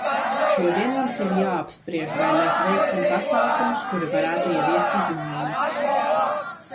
Šodien mums ir jāapspriež, vai mēs veiksim pasākumus, kuri varētu ieviest izmaiņas.